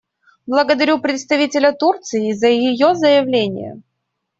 Благодарю представителя Турции за ее заявление.